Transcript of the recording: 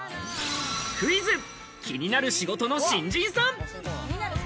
クイズ気になる仕事の新人さん！